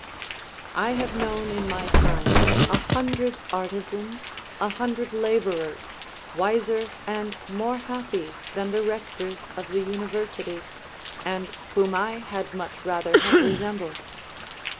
I have known in my time a hundred artisans, a hundred labourers, wiser and more happy than the rectors of the university, and whom I had much rather have resembled.